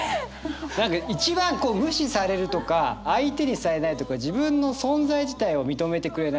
何か一番無視されるとか相手にされないとか自分の存在自体を認めてくれない。